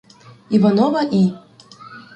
Іванова І.